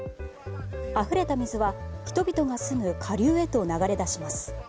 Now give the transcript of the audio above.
あふれた水は人々が住む下流へと流れ出します。